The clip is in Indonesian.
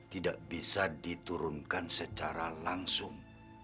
tidak bisa diturunkan secara langsung